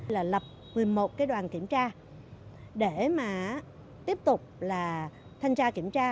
là lập một mươi một cái đoàn kiểm tra để mà tiếp tục là thanh tra kiểm tra